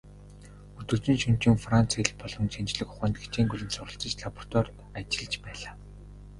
Өдөржин шөнөжин Франц хэл болон шинжлэх ухаанд хичээнгүйлэн суралцаж, лабораторид ажиллаж байлаа.